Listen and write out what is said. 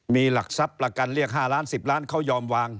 มีหลักทรัพย์ประกันเรียก๕ล้าน๑๐ล้านเขายอมวาง